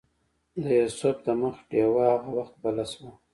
د یوسف د مخ ډیوه هغه وخت بله شوه.